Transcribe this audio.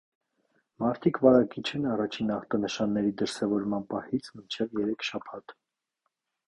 Մարդիկ վարակիչ են առաջին ախտանիշների դրսևորման պահից մինչև երեք շաբաթ։